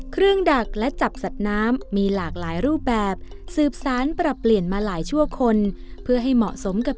ดักและจับสัตว์น้ำมีหลากหลายรูปแบบสืบสารปรับเปลี่ยนมาหลายชั่วคนเพื่อให้เหมาะสมกับ